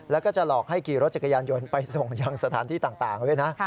แล้วก็จะหลอกให้ขี่รถจักรยานยนต์ไปส่งยังสถานที่ต่างด้วยนะ